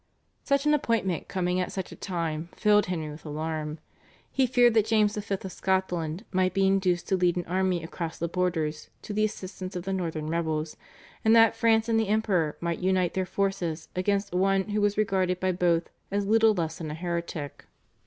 Such an appointment coming at such a time filled Henry with alarm. He feared that James V. of Scotland might be induced to lead an army across the borders to the assistance of the northern rebels, and that France and the Emperor might unite their forces against one who was regarded by both as little less than a heretic.